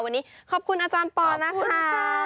วันนี้ขอบคุณอปนะคะ